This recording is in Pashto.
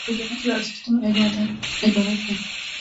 کاري اصول په ټولنه کې له ارزښتونو عبارت دي.